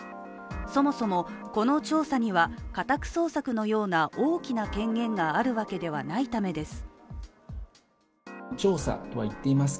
そもそも、この調査には家宅捜索のような大きな権限があるわけではないためです。